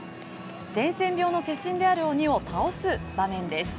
伝染病の化身である鬼を倒す場面です。